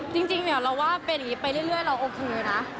จริงเราว่าเป็นอย่างนี้ไปเรื่อยเราโอเคนะ